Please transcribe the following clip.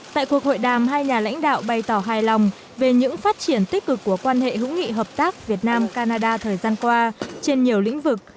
tại cuộc hội đàm hai nhà lãnh đạo bày tỏ hài lòng về những phát triển tích cực của quan hệ hữu nghị hợp tác việt nam canada thời gian qua trên nhiều lĩnh vực